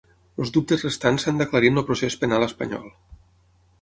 Els dubtes restants s’han d’aclarir en el procés penal espanyol.